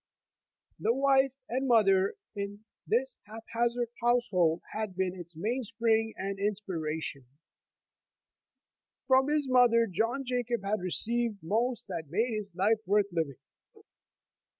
The wife and mother in this hap hazard household had been its mainspring and inspiration. From hid 20 Waiting Years mother John Jacob had received most that made his life worth living.